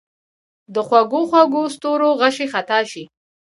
د خوږو، خوږو ستورو غشي خطا شي